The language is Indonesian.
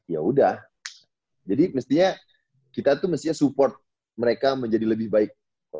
ya udah jadi mestinya kita tuh mestinya support mereka menjadi lebih baik